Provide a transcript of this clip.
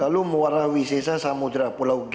lalu muara wisesa samudera pulau g